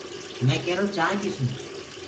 مي ڪيرو مي چآنٚه پيٚسونٚ